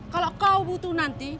kalau kau butuh nanti